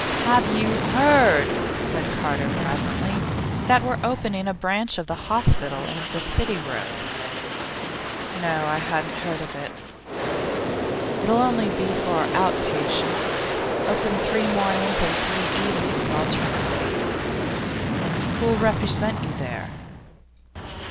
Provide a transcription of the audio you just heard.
'Have you heard,' said Carter, presently, 'that we're opening a branch of the hospital in the City Road?' 'No; I hadn't heard of it.' 'It'll only be for out patients. Open three mornings and three evenings alternately.' 'Who'll represent you there?